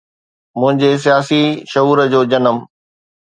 منهنجي سياسي شعور جو جنم